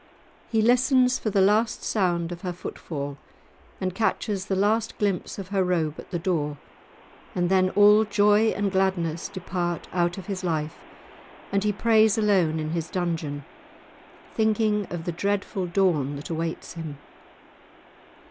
He listens for the last sound of her footfall, and catches the last glimpse of her robe at the door, and then all joy and gladness depart out of his life, and he prays alone in his dungeon, thinking of the dreadful dawn that awaits him.